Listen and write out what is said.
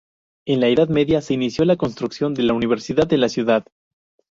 En la Edad Media se inició la construcción de la universidad de la ciudad.